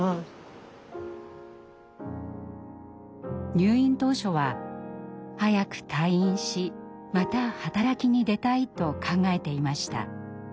入院当初は早く退院しまた働きに出たいと考えていました。